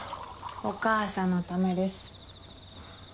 お母さんのためです。